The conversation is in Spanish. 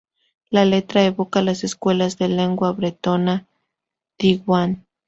La letra evoca las escuelas de lengua bretona Diwan.